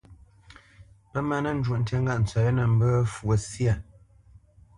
Pə má nə nzhɔ tya ŋgâʼ tsəʼ we nə́ mbə́ pə́ fwo syâ.